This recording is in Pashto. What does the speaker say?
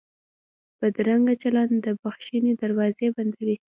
بدرنګه چلند د بښنې دروازې بندوي